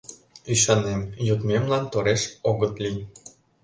Ӱшанем, йодмемлан тореш огыт лий.